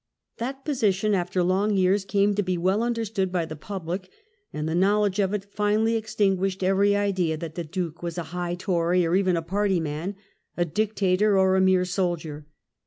That position after long years came to be well understood by the public, and the knowledge of it finally extinguished every idea that the Duke was a High Tory, or even a party man, a dictator, or a mere soldier.